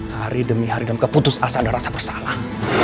hari demi hari dan keputus asa dan rasa bersalah